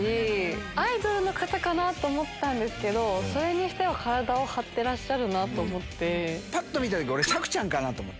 アイドルの方かなと思ったんですけど、それにしては体を張ってらぱっと見たとき、俺、釈ちゃんかなと思って。